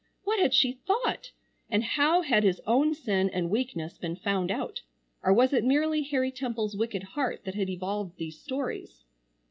what had she thought? And how had his own sin and weakness been found out, or was it merely Harry Temple's wicked heart that had evolved these stories?